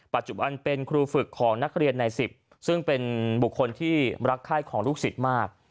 ปัจจุบันเป็นครูฝึกของนักเรียนใน๑๐ซึ่งเป็นบุคคลที่รักไข้ของลูกศิษย์มาก